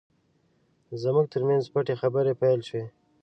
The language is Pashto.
زموږ ترمنځ پټې خبرې پیل شوې.